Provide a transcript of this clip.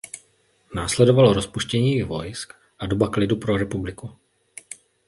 Následovalo rozpuštění jejich vojsk a doba klidu pro republiku.